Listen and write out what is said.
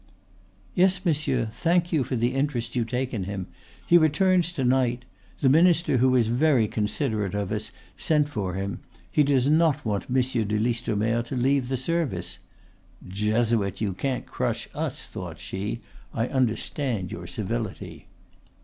"Yes, monsieur; thank you for the interest you take in him. He returns to night; the minister, who is very considerate of us, sent for him; he does not want Monsieur de Listomere to leave the service." ("Jesuit, you can't crush us," thought she. "I understand your civility.")